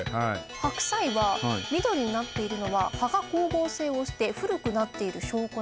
白菜は緑になっているのは葉が光合成をして古くなっている証拠なんです。